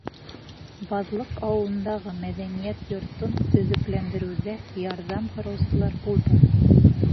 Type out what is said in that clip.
Баҙлыҡ ауылындағы мәҙәниәт йортон төҙөкләндереүҙә ярҙам һораусылар булды.